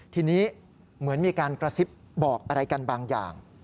ทีนี้เหมือนมีการกระซิบบอกอะไรกันบางอย่าง